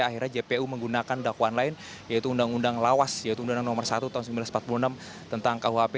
akhirnya jpu menggunakan dakwaan lain yaitu undang undang lawas yaitu undang undang nomor satu tahun seribu sembilan ratus empat puluh enam tentang kuhp